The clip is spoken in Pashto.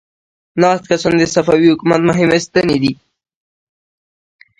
ناست کسان د صفوي حکومت مهمې ستنې دي.